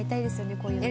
こういうのね。